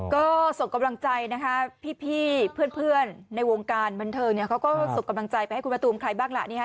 ก็ส่งกำลังใจนะคะพี่เพื่อนในวงการบันเทิงเนี่ยเขาก็ส่งกำลังใจไปให้คุณมะตูมใครบ้างล่ะนี่ฮะ